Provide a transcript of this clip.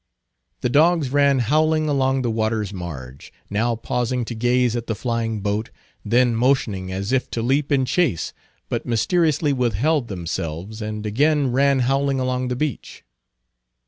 The dogs ran howling along the water's marge; now pausing to gaze at the flying boat, then motioning as if to leap in chase, but mysteriously withheld themselves; and again ran howling along the beach.